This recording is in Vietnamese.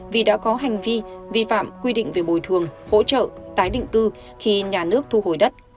vì đã có hành vi vi phạm quy định về bồi thường hỗ trợ tái định cư khi nhà nước thu hồi đất